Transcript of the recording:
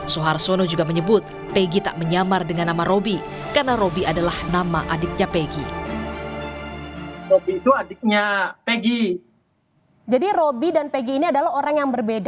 suharsono juga menyebut peggy tak menyamar dengan nama roby karena roby adalah nama adiknya peggy